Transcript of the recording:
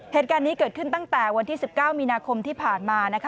เหตุการณ์นี้เกิดขึ้นตั้งแต่วันที่๑๙มีนาคมที่ผ่านมานะคะ